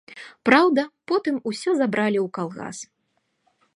Праўда, потым усё забралі ў калгас.